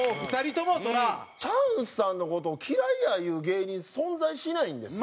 チャンスさんの事を「嫌いや」言う芸人存在しないんですよ。